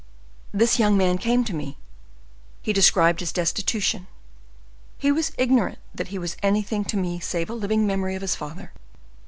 This young man came to me; he described his destitution; he was ignorant that he was anything to me save a living memory of his father.